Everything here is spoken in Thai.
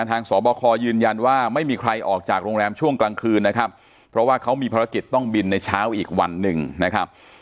สอบคอยืนยันว่าไม่มีใครออกจากโรงแรมช่วงกลางคืนนะครับเพราะว่าเขามีภารกิจต้องบินในเช้าอีกวันหนึ่งนะครับ